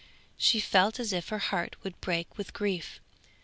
She felt as if her heart would break with grief.